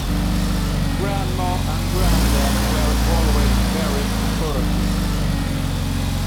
Grandma and grandad were always very encouraging.